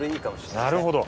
なるほど！